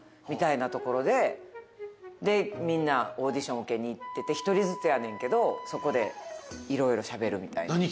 みたいなところででみんなオーディション受けに行ってて１人ずつやねんけどそこで色々しゃべるみたいな。